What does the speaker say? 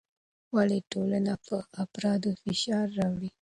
ولې ټولنه پر افرادو فشار راوړي؟